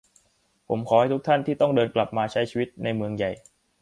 ผมขอให้ทุกท่านที่ต้องเดินกลับมาใช้ชีวิตในเมืองใหญ่